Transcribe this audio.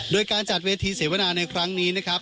โดยการจัดเวทีเสวนาในครั้งนี้นะครับ